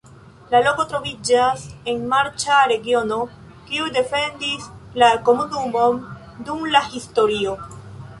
La loko troviĝas en marĉa regiono, kiu defendis la komunumon dum la historio.